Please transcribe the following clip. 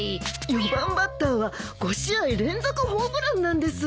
四番バッターは５試合連続ホームランなんです。